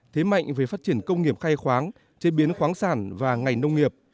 thế mạnh về phát triển công nghiệp khai khoáng chế biến khoáng sản và ngành nông nghiệp